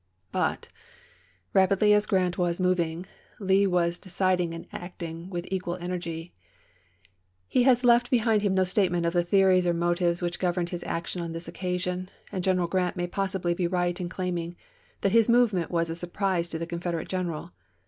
But, rapidly as Grant was moving, Lee was decid ing and acting with equal energy. He has left behind him no statement of the theories or motives which governed his action on this occasion, and General Grant may possibly be right in claiming that his movement was a surprise to the Confede rate general.